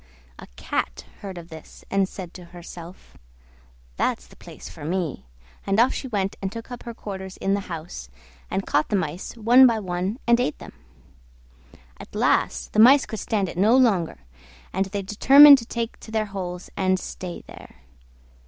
A Cat heard of this, and said to herself, "That's the place for me," and off she went and took up her quarters in the house, and caught the Mice one by one and ate them. At last the Mice could stand it no longer, and they determined to take to their holes and stay there.